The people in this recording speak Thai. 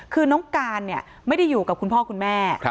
คือน้องการไม่ได้อยู่กับคุณพ่อคุณแม่